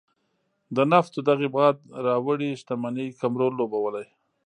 د نفتو دغې باد راوړې شتمنۍ کم رول لوبولی.